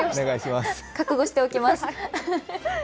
覚悟しておきます。